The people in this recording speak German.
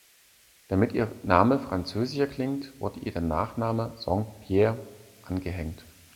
Damit ihr Name „französischer“ klingt, wurde ihr der Nachname "Saint-Pierre" angehängt.